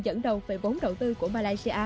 dẫn đầu về vốn đầu tư của malaysia